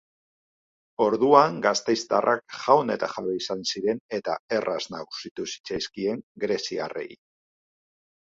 Orduan gasteiztarrak jaun eta jabe izan ziren eta erraz nagusitu zitzaizkien greziarrei.